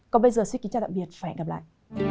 còn bây giờ xin kính chào tạm biệt và hẹn gặp lại